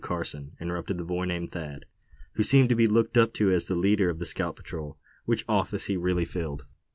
Carson," interrupted the boy named Thad; who seemed to be looked up to as the leader of the scout patrol, which office he really filled.